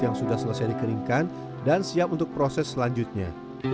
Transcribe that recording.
yang sudah selesai dikeringkan dan siap untuk proses selanjutnya